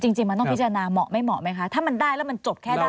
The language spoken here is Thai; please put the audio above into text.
จริงมันต้องพิจารณาเหมาะไม่เหมาะไหมคะถ้ามันได้แล้วมันจบแค่ได้